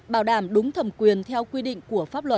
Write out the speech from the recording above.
bảo đảm đúng thẩm quyền theo quy định của pháp luật